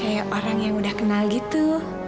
kayak orang yang udah kenal gitu